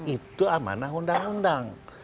itu amanah undang undang